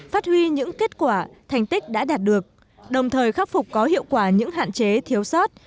phát huy những kết quả thành tích đã đạt được đồng thời khắc phục có hiệu quả những hạn chế thiếu sót